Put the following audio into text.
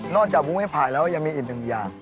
จากมุ้งให้ผ่ายแล้วยังมีอีกหนึ่งอย่าง